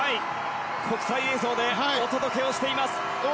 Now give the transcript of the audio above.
国際映像でお届けしています。